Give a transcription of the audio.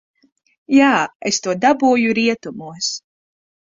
Jā, es to dabūju rietumos.